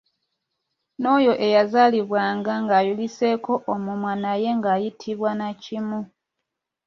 N'oyo eyazaalibwanga ng’ayuliseeko omumwa naye ng’ayitibwa nnakimu.